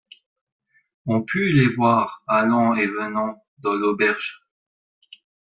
On put les voir allant et venant dans l’auberge.